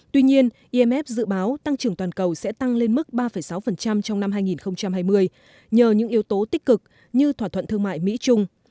tuy nhiên imf dự báo tăng trưởng toàn cầu sẽ tăng lên mức ba sáu trong năm hai nghìn hai mươi nhờ những yếu tố tích cực như thỏa thuận thương mại mỹ trung